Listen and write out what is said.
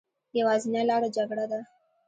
يوازينۍ لاره جګړه ده